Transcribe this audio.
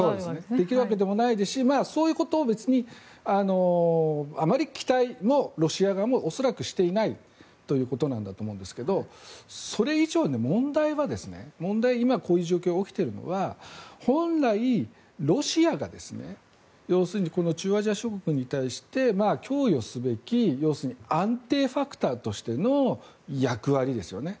できるわけでもないですしそういうことは別に期待もロシア側は恐らくしていないということなんだと思うんですけどそれ以上に問題は今こういう状況が起きているのは本来、ロシアが中央アジア諸国に対して供与すべきの安定ファクターとしての役割ですよね。